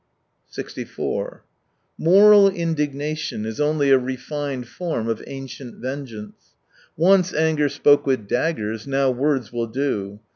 64 Moral indignation is only a refined form of ancient vengeance. Once anger spoke with daggers, now words will do.